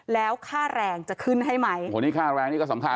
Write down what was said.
แล้วค่าแรงจะขึ้นให้ไหมโอ้นี่ค่าแรงนี่ก็สำคัญ